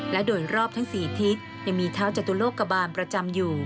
และโดยรอบทั้ง๔ทิศยังมีเท้าจตุโลกบาลประจำอยู่